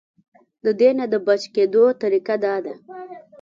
د دې نه د بچ کېدو طريقه دا ده -